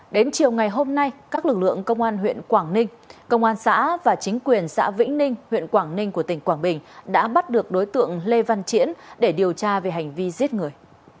đến chiều ngày hôm nay các lực lượng công an huyện quảng ninh công an xã và chính quyền xã vĩnh ninh huyện quảng ninh của tỉnh quảng bình đã bắt được đối tượng lê văn triển để điều tra về hành vi giết người